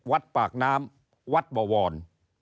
วัดปากน้ำวัดบ่ววอน